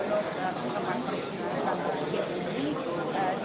di tempat perjalanan terakhir di tni